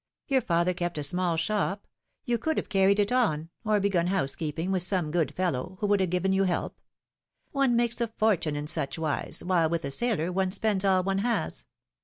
Your father kept a small shop; you could have carried it on, or begun housekeeping with some good fellow, who would have given you help. One makes a fortune in such wise, while with a sailor one spends all one has